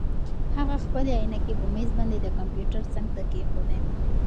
هغه خپلې عینکې په مېز باندې د کمپیوټر څنګ ته کېښودې.